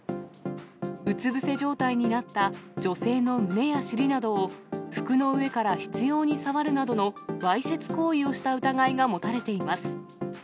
うつ伏せ状態になった女性の胸や尻などを服の上から執ように触るなどのわいせつ行為をした疑いが持たれています。